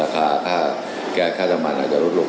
ก็เดี๋ยวก็ต้อง